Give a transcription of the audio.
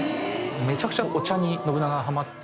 めちゃくちゃお茶に信長はハマっていたので。